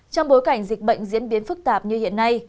trong bối cảnh dịch bệnh diễn biến phức tạp như hiện nay